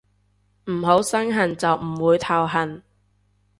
唔好身痕就唔會頭痕